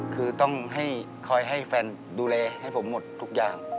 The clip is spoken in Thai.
คือต้องให้คอยให้แฟนดูแลให้ผมหมดทุกอย่าง